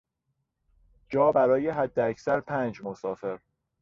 جا برای حداکثر پنج مسافر